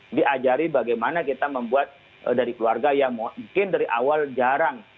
jadi kita diajari bagaimana kita membuat dari keluarga yang mungkin dari awal jarang